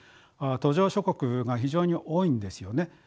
途上諸国が非常に多いんですよね。